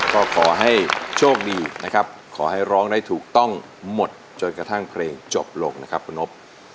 ก็ขอให้โชคดีนะครับขอให้ร้องได้ถูกต้องหมดจนกระทั่งเพลงจบลงนะครับคุณนบ